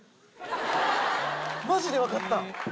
マジで分かった！